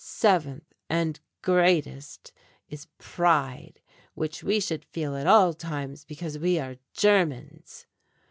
Seventh, and greatest, is pride, which we should feel at all times because we are Germans.